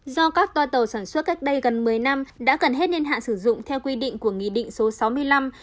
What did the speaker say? do các toa tàu sản xuất cách đây gần một mươi năm đã cần hết niên hạn sử dụng theo quy định của nghị định số sáu mươi năm